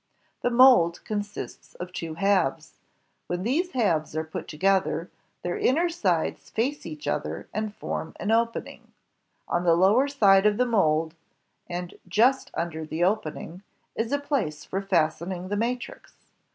The mold consists of two halves. When these halves are put together, their inner sides face each other and form an opening. On the lower side of the mold, and just under the opening, is a place for fastening the matrix.